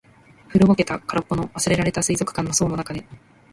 古ぼけた、空っぽの、忘れられた水族館の槽の中で。